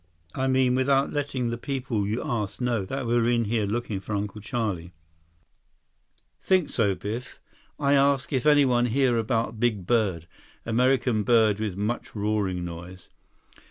I mean without letting the people you ask know that we're in here looking for Uncle Charlie?" 108 "Think so, Biff. I ask if anyone hear about big bird—American bird with much roaring noise.